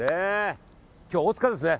今日、大塚ですね。